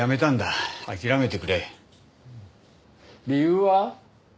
理由は？